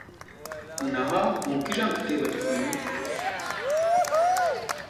Niha hûn kîjan kitêbê dixwînin?